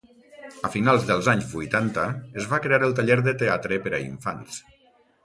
A finals dels anys vuitanta es va crear el Taller de Teatre per a infants.